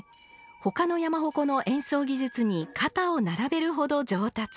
他の山鉾の演奏技術に肩を並べるほど上達。